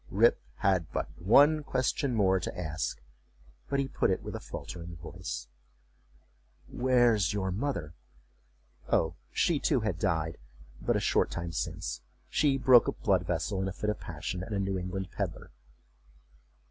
Rip had but one question more to ask; but he put it with a faltering voice:"Where's your mother?""Oh, she too had died but a short time since; she broke a blood vessel in a fit of passion at a New England peddler."